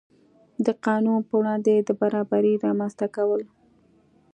د قانون په وړاندې د برابرۍ رامنځته کول.